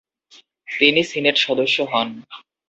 তিনি সিনেট সদস্য হন।